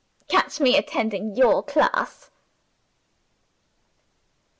Catch me attending your class!"